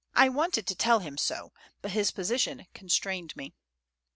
I wanted to tell him so, but his position constrained me.